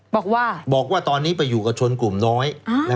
บอกว่าบอกว่าตอนนี้ไปอยู่กับชนกลุ่มน้อย